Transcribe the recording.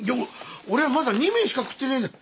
俺はまだ２枚しか食ってねえんだ。